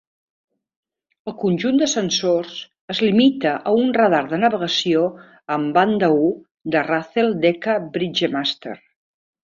El conjunt de sensors es limita a un radar de navegació en banda I de Racel Decca Bridgemaster.